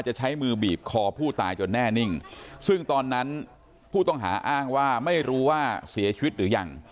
ใช้มือบีบคอผู้ตายจนแน่นิ่งซึ่งตอนนั้นผู้ต้องหาอ้างว่าไม่รู้ว่าเสียชีวิตหรือยัง